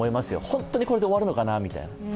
本当にこれで終わるのかなみたいな。